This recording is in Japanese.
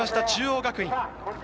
中央学院。